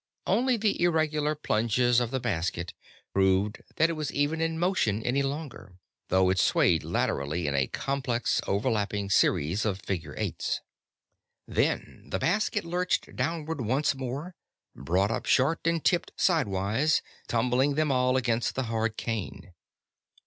Only the irregular plunges of the basket proved that it was even in motion any longer, though it swayed laterally in a complex, overlapping series of figure eights. Then the basket lurched downward once more, brought up short, and tipped sidewise, tumbling them all against the hard cane.